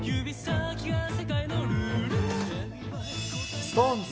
ＳｉｘＴＯＮＥＳ